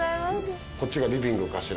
こっちがリビングかしら？